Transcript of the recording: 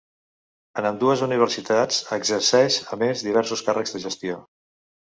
En ambdues universitats exerceix a més diversos càrrecs de gestió.